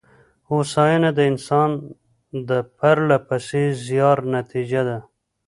هوساینه د انسان د پرله پسې زیار نتېجه ده.